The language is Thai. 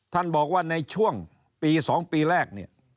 ท่านบอกว่าในช่วงปี๒ปีแรก